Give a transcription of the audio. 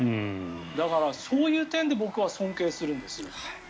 だから、そういう点で僕は尊敬するんです。